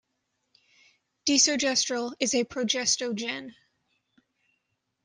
Desogestrel is a progestogen.